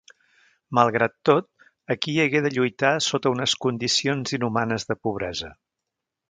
Malgrat tot, aquí hagué de lluitar sota unes condicions inhumanes de pobresa.